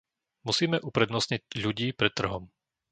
Musíme uprednostniť ľudí pred trhom.